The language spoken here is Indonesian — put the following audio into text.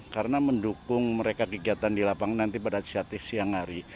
karena mendukung mereka kegiatan di lapangan nanti pada siang hari